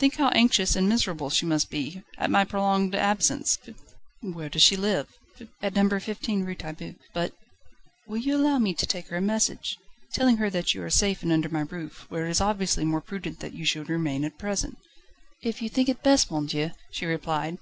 Think how anxious and miserable she must be, at my prolonged absence." "Where does she live?" "At No. 15 Rue Taitbout, but ..." "Will you allow me to take her a message? telling her that you are safe and under my roof, where it is obviously more prudent that you should remain at present." "If you think it best, monsieur," she replied.